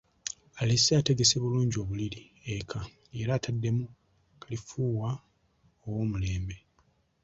Alese ategese bulungi obuliri eka era ateddemu kalifuuwa ow'omulembe.